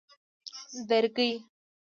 درگۍ